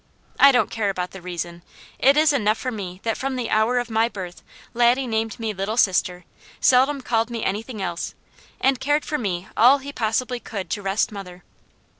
I don't care about the reason. It is enough for me that from the hour of my birth Laddie named me Little Sister, seldom called me anything else, and cared for me all he possibly could to rest mother.